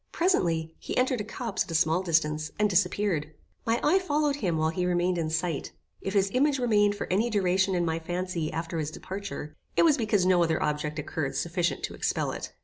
Presently, he entered a copse at a small distance, and disappeared. My eye followed him while he remained in sight. If his image remained for any duration in my fancy after his departure, it was because no other object occurred sufficient to expel it.